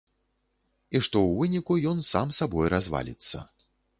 І што ў выніку ён сам сабой разваліцца.